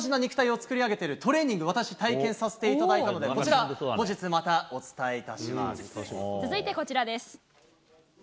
こちら、西田選手の強じんな肉体を作り上げているトレーニング、私、体験させていただいたので、こちら、後日またお伝えさせてい続いてはこちらです。